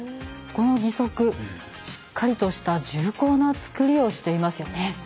この義足、しっかりとした重厚な作りをしていますよね。